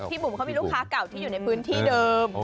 บุ๋มเขามีลูกค้าเก่าที่อยู่ในพื้นที่เดิม